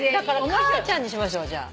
「かあちゃん」にしましょうじゃあ。